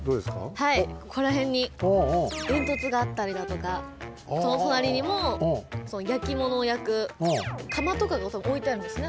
はいここらへんに煙突があったりだとかそのとなりにも焼き物を焼く窯とかがおいてあるんですね。